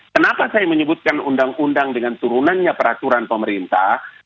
kenapa saya menyebutkan undang undang dengan turunannya peraturan pemerintah